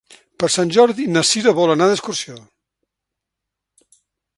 Per Sant Jordi na Cira vol anar d'excursió.